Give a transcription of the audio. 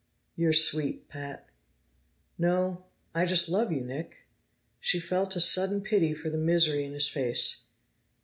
"You're sweet, Pat!" "No; I just love you Nick." She felt a sudden pity for the misery in his face.